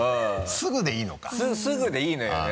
すぐでいいのよね。